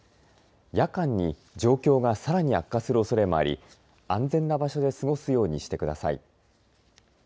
夜間に状況がさらに悪化するおそれもあり安全な場所で過ごすようにしてください。